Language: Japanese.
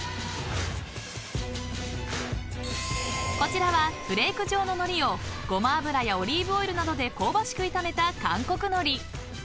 ［こちらはフレーク状の海苔をごま油やオリーブオイルなどで香ばしく炒めた韓国海苔］